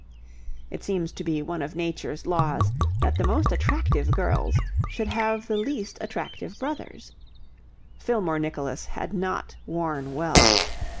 It seems to be one of Nature's laws that the most attractive girls should have the least attractive brothers. Fillmore Nicholas had not worn well.